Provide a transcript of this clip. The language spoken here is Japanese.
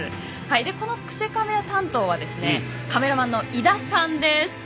このクセカメ担当はカメラマンの井田さんです。